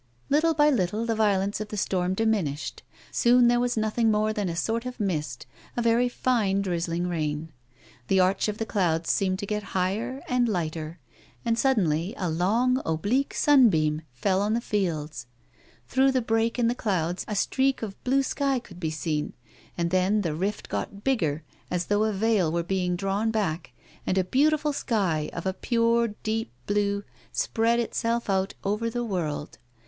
Little by little the violence of the storm diminished ; soon there was nothing more than a sort of mist, a very fine drizzling rain. The arch of the clouds seemed to get higher and lighter ; and suddenly a long oblique sunbeam fell on the fields. Through the break in the clouds a streak of blue sky could be seen, and then the rift got bigger as though a veil were being drawn back, and a beautiful sky of a pure deep blue spread itself out over the world.